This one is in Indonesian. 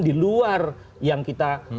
di luar yang kita